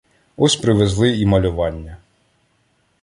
Ось привезли і мальовання